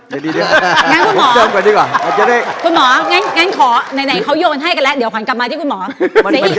งั้นคุณหมอคุณหมองั้นขอไหนเขายนให้กันแล้วเดี๋ยวขอนกลับมาที่คุณหมอ